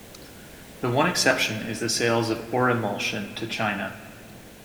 The one exception is the sales of Orimulsion to China.